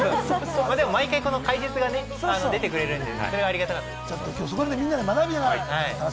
でも毎回、解説が出てくれるんで、それはありがたい。